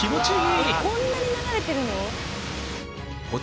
えっこんなに流れてるの？